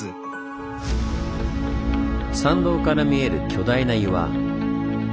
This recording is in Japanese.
参道から見える巨大な岩。